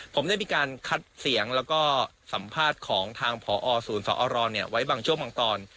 ผมได้มีการคัดเสียงแล้วก็สัมภาษณ์ของทางพอศูนย์สอรไว้บางช่วงบางตอน